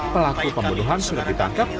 pelaku pembunuhan sudah ditangkap